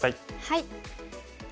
はい。